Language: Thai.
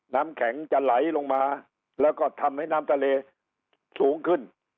น้ำแข็งจะไหลลงมาแล้วก็ทำให้น้ำทะเลสูงขึ้น